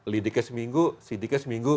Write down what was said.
lidiknya seminggu sidiknya seminggu